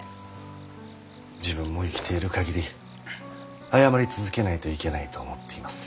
自分も生きている限り謝り続けないといけないと思っています。